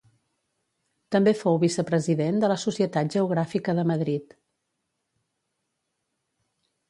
També fou vicepresident de la Societat Geogràfica de Madrid.